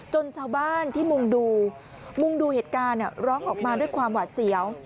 ชาวบ้านที่มุ่งดูมุงดูเหตุการณ์ร้องออกมาด้วยความหวาดเสียว